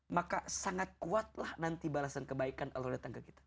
maka sangat kuatlah nanti balasan kebaikan allah datang ke kita